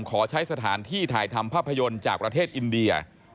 ขอใช้สถานที่ถ่ายทำภาพยนตร์จากประเทศอินเดีย